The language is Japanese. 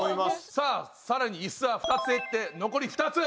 さあ更にイスは２つ減って残り２つ！